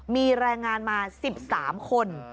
มีแรงงานมา๑๓คน